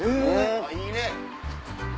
いいね！